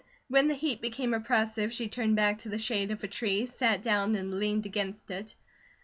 When the heat became oppressive, she turned back to the shade of a tree, sat down, and leaned against it.